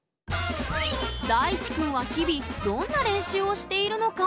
大智くんは日々どんな練習をしているのか？